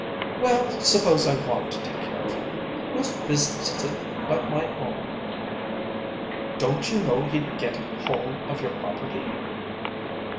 "Well, suppose I want to take care of him? Whose business is it but my own?" "Don't you know he'd get hold of your property?"